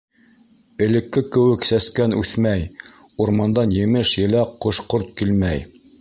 Элекке кеүек сәскән үҫмәй, урмандан емеш-еләк, ҡош-ҡорт килмәй.